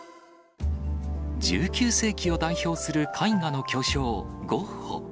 １９世紀を代表する絵画の巨匠、ゴッホ。